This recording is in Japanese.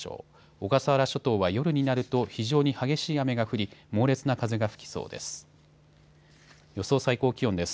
小笠原諸島は夜になると非常に激しい雨が降り猛烈な風が吹きそうです。